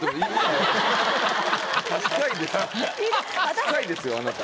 近いですよあなた。